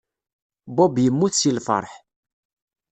Bob yemmut seg lfeṛḥ.